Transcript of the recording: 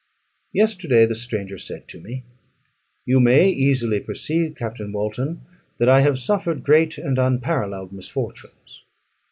Yesterday the stranger said to me, "You may easily perceive, Captain Walton, that I have suffered great and unparalleled misfortunes.